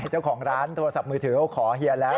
ไม่เจ้าของร้านโทรศัพท์มือถือเขาขอเฮียแล้ว